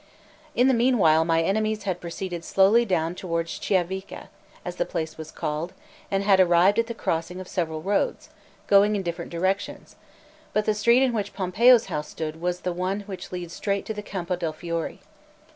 LXXIII IN the meanwhile my enemies had proceeded slowly toward Chiavica, as the place was called, and had arrived at the crossing of several roads, going in different directions; but the street in which Pompeo's house stood was the one which leads straight to the Campo di Fiore.